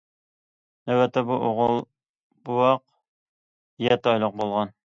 نۆۋەتتە بۇ ئوغۇل بوۋاق يەتتە ئايلىق بولغان.